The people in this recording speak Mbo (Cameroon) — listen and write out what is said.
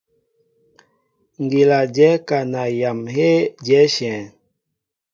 Ŋgíla dyɛ kana yam heé diɛnshɛŋ.